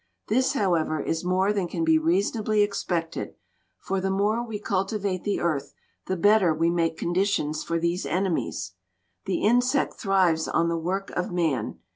This, however, is more than can be reasonably expected, for the more we cultivate the earth the better we make conditions for these enemies. The insect thrives on the work of man.